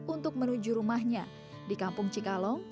untuk menuju rumahnya di kampung cikalong